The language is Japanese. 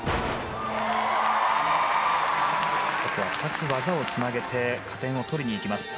２つ技をつなげて加点を取りにいきました。